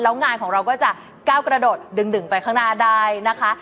แล้วงานของเราก็จะก้าวกระโดดดึงไปข้างหน้าได้นะคะ